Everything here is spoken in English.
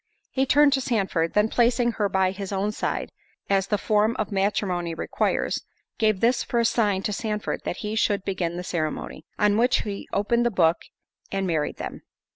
He turned to Sandford—then placing her by his own side, as the form of matrimony requires, gave this for a sign to Sandford that he should begin the ceremony. On which, he opened his book, and—married them.